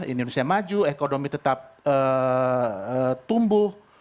indonesia maju ekonomi tetap tumbuh